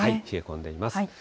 冷え込んでいます。